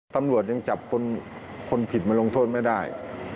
ตำรวจยังจับคนผิดมาลงโทษไม่ได้